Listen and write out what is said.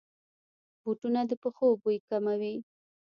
بوټونه د پښو بوی کموي.